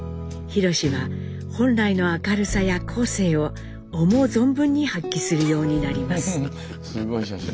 弘史は本来の明るさや個性を思う存分に発揮するようになります。